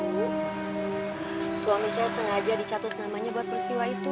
suami saya sengaja dicatut namanya buat peristiwa itu